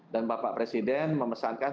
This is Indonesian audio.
dan bapak presiden memesankan